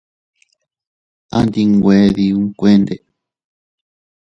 A ndi nwe diun kuende.